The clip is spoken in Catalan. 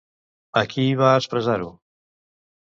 A qui va expressar-ho?